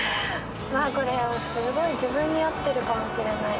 これすごい自分に合ってるかもしれない。